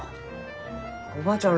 おばあちゃん